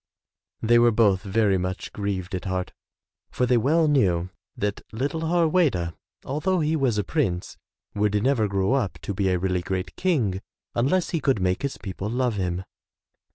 '' They were both very much grieved at heart for they well knew that little Harweda, although he was a prince, would never grow up to be a really great King unless he could make his people love him.